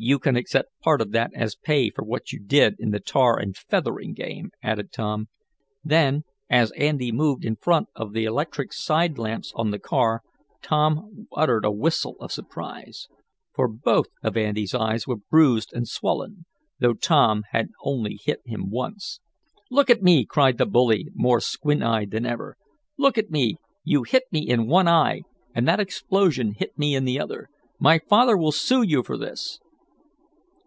"You can accept part of that as pay for what you did in the tar and feathering game," added Tom. Then, as Andy moved in front of one of the electric side lamps on the car, Tom uttered a whistle of surprise. For both of Andy's eyes were bruised and swollen, though Tom had only hit him once. "Look at me!" cried the bully, more squint eyed than ever. "Look at me! You hit me in one eye, and that explosion hit me in the other! My father will sue you for this."